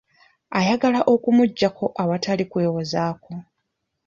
Ayagala okumugyako awatali kwewozaako.